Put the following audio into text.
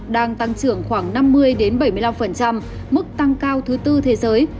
đang tăng trưởng khoảng năm mươi bảy mươi năm mức tăng cao thứ tư thế giới